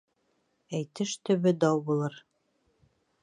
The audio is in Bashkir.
Әйтеш төбө дау булыр.